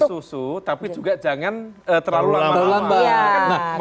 ojo ke susu tapi juga jangan terlalu lambat